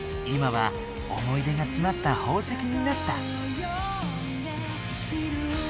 今は思い出がつまった宝石になった。